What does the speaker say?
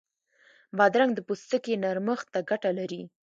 بادرنګ د پوستکي نرمښت ته ګټه لري.